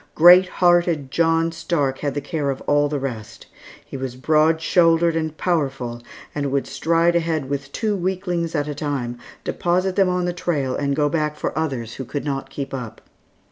Great hearted John Stark had the care of all the rest. He was broad shouldered and powerful, and would stride ahead with two weaklings at a time, deposit them on the trail and go back for others who could not keep up.